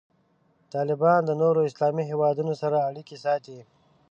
طالبان د نورو اسلامي هیوادونو سره اړیکې ساتي.